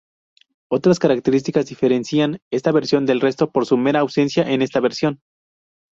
Otras características diferencian esta versión del resto por su mera ausencia en esta versión.